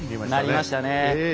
なりましたねえ。